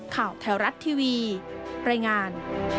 ข่าวแถวรัฐทีวีรายงาน